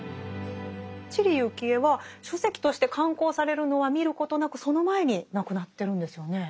知里幸恵は書籍として刊行されるのは見ることなくその前に亡くなってるんですよね。